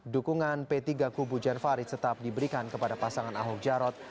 dukungan p tiga kubu jan farid tetap diberikan kepada pasangan ahok jarot